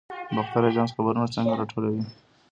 باختر اژانس خبرونه څنګه راټولوي؟